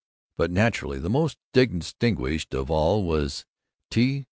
But, naturally, the most distinguished of all was T.